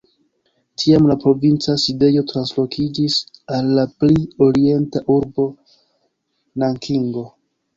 Tiam la provinca sidejo translokiĝis al la pli orienta urbo Nankingo.